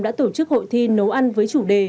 đã tổ chức hội thi nấu ăn với chủ đề